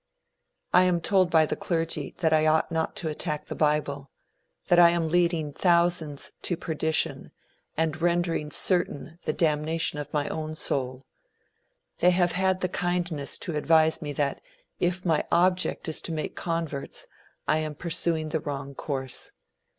I am told by the clergy that I ought not to attack the bible; that I am leading thousands to perdition and rendering certain the damnation of my own soul. They have had the kindness to advise me that, if my object is to make converts, I am pursuing the wrong course.